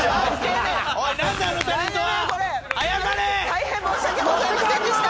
大変申し訳ございませんでした！